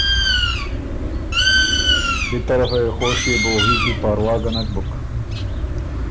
بی طرفه وې خوشيې بوغي کی پاروا ګۀ نک بُک